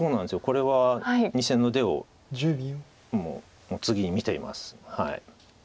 これは２線の出をもう次に見ています。